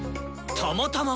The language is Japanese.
「たまたま」！